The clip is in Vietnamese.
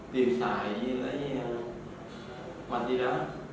tiêu xài với lấy mạch đi đó